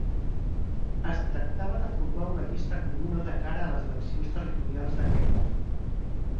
Es tractava de formar una llista comuna de cara a les eleccions territorials d'aquell any.